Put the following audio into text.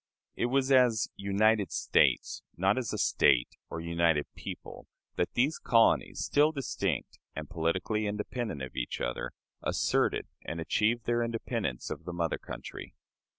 It was as "United States" not as a state, or united people that these colonies still distinct and politically independent of each other asserted and achieved their independence of the mother country.